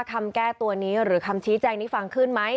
คำแก้ตัวนี้หรือคำชี้แจงนี้ฟังขึ้นไหม